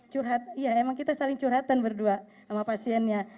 curhat iya emang kita saling curhatan berdua sama pasiennya